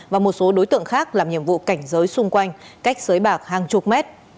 và một số đối tượng khác làm nhiệm vụ cảnh giới xung quanh cách sới bạc hàng chục mét